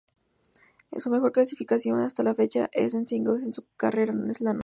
Su mejor clasificación hasta la fecha en singles en su carrera es la no.